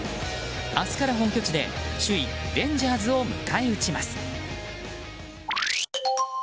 明日から本拠地で首位レンジャーズを迎え撃ちます。